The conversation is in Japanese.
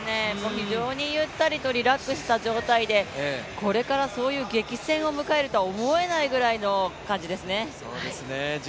非常にゆったりとリラックスした状態で、これから激戦を迎えるとは思えないくらいの感じですね。